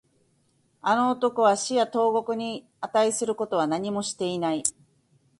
あの男は死や投獄に値することは何もしていない